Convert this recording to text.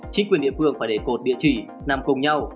chính quyền địa phương phải để cột địa chỉ nằm cùng nhau